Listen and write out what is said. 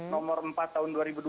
nomor empat tahun dua ribu dua puluh